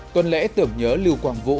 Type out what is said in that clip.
tuần lễ tưởng nhớ lưu quảng vũ